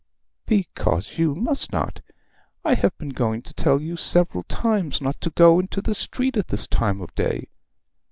'Because you must not. I have been going to tell you several times not to go into the street at this time of day.